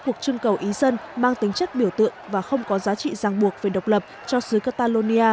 cuộc trưng cầu ý dân mang tính chất biểu tượng và không có giá trị giang buộc về độc lập cho sứ catalonia